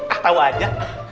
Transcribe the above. ah tau aja